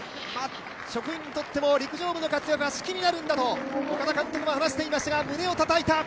職員にとっても、陸上部が勝つのは士気になるんだと岡田監督も話していましたが、胸をたたいた。